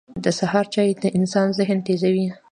• د سهار چای د انسان ذهن تیزوي.